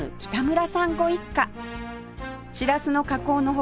しらすの加工の他